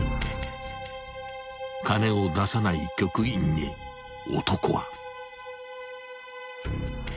［金を出さない局員に男は］